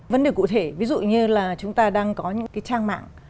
vấn đề cụ thể ví dụ như là chúng ta đang có những cái trang mạng